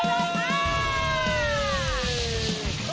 โกยลงมา